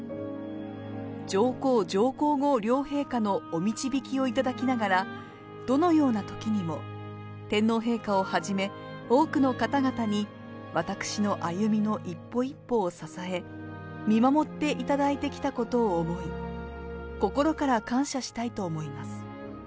上皇上皇后両陛下のお導きを頂きながら、どのようなときにも天皇陛下をはじめ、多くの方々に私の歩みの一歩一歩を支え、見守っていただいてきたことを思い、心から感謝したいと思います。